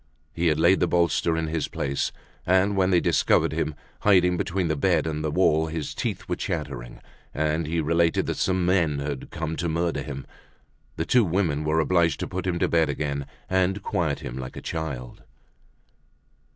He had laid the bolster in his place. And when they discovered him, hiding between the bed and the wall, his teeth were chattering, and he related that some men had come to murder him. The two women were obliged to put him to bed again and quiet him like a child.